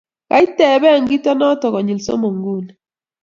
Kaitebene kito noto konyel somok nguni